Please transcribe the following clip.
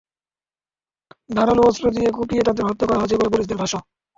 ধারালো অস্ত্র দিয়ে কুপিয়ে তাঁদের হত্যা করা হয়েছে বলে পুলিশের ভাষ্য।